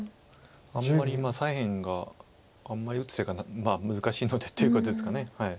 あんまり左辺があんまり打つ手が難しいのでということですか。